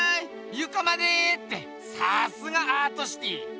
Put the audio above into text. ゆかまでってさすがアートシティー！